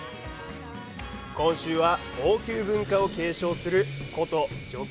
今週は王宮文化を継承する古都ジョグ